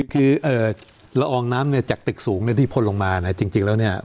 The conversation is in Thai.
คือละอองน้ำเนี่ยจากตึกสูงที่พลลงมาจริงแล้วเนี่ย